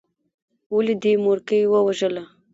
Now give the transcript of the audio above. ولې دې مورکۍ ووژله.